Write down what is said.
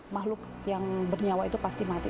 makhluk yang bernyawa itu pasti mati